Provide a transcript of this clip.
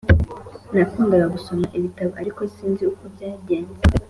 Nakundaga gusoma ibitabo ariko sinzi uko byagenze